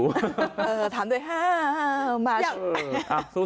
เออถามด้วยห้ามาชื่อ